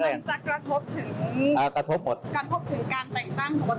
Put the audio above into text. มันจะกระทบถึงกระทบถึงการแต่งตั้งของคนตลอดภัย